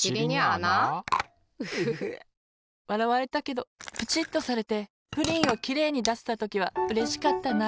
フフフ！わらわれたけどプチッとされてプリンをきれいにだせたときはうれしかったな。